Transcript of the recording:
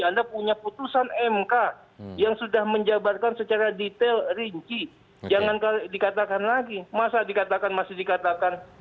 anda punya putusan mk yang sudah menjabarkan secara detail rinci jangan dikatakan lagi masa dikatakan masih dikatakan